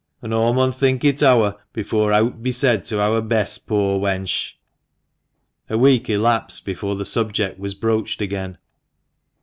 An' aw mun think it ower before eawt be said to eawr Bess, poor wench !" A week elapsed before the subject was broached again.